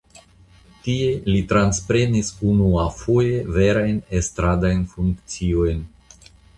Tie li transprenis unuafoje verajn estradajn funkciojn.